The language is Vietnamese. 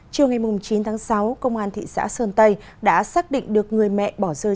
chiều ngày chín tháng sáu công an thị xã sơn tây đã xác định được người mẹ bỏ rơi